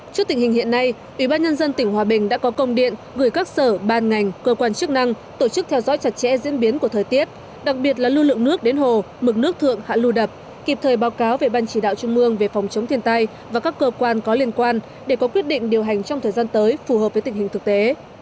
trước tình hình hiện nay ủy ban nhân dân tỉnh hòa bình đã có công điện gửi các sở ban ngành cơ quan chức năng tổ chức theo dõi chặt chẽ diễn biến của thời tiết đặc biệt là lưu lượng nước đến hồ mực nước thượng hạ lưu đập kịp thời báo cáo về ban chỉ đạo trung mương về phòng chống thiên tai và các cơ quan có liên quan để có quyết định điều hành trong thời gian tới phù hợp với tình hình thực tế